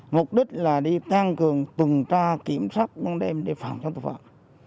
mục đích là đi tăng cường tuần tra kiểm soát con đêm để phòng cho tội phạm